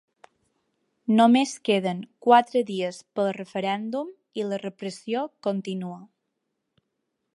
Només queden quatre dies pel referèndum i La repressió continua.